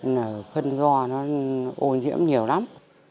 nên là khuân do nó ô nhiễm nhiều lắm